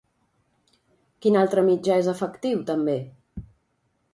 Quin altre mitjà és efectiu, també?